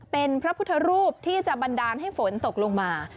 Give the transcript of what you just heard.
เป็นพระพุทธรูปที่จะบันดาลให้ฝนตกลงมา